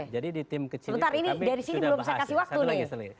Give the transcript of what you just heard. jadi di tim kecil ini kami sudah bahas